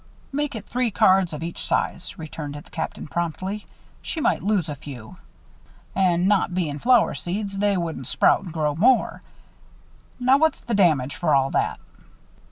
"Make it three cards of each size," returned the Captain, promptly. "She might lose a few. And not bein' flower seeds, they wouldn't sprout and grow more. Now, what's the damage for all that?"